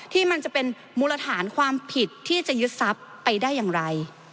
ที่มันจะเป็นมูลฐานความผิดที่จะยึดทรัพย์ไปได้อย่างไร